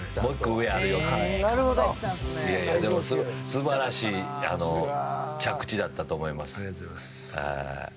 でも素晴らしい着地だったと思います。